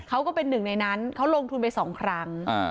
ก็เป็นหนึ่งในนั้นเขาลงทุนไป๒ครั้ง